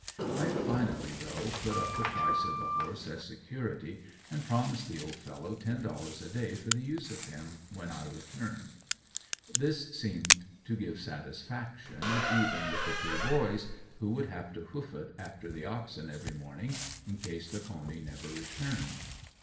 I finally though put up the price of the horse as security and promised the old fellow ten dollars a day for the use of him, when I returned. This seemed to give satisfaction, even with the two boys who would have to hoof it after the oxen every morning, in case the pony never returned.